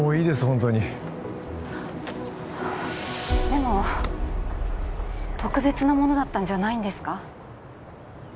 ホントにでも特別なものだったんじゃないんですか？